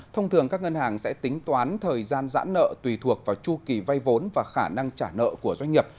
thông thường các ngân hàng sẽ tính toán thời gian giãn nợ tùy thuộc vào chu kỳ vay vốn và khả năng trả nợ của doanh nghiệp